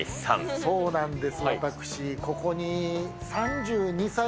そうなんです。